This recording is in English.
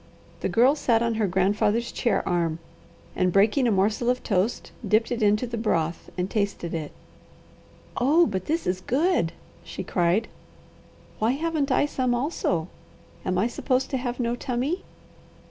The Girl sat on her grandfather's chair arm, and breaking a morsel of toast dipped it into the broth and tasted it. "Oh but that is good!" she cried. "Why haven't I some also? Am I supposed to have no 'tummy'?"